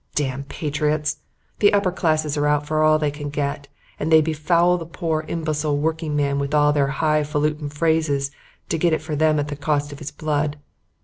Damn patriots! The upper classes are out for all they can get, and they befool the poor imbecile working man with all their highfalutin phrases to get it for them at the cost of his blood.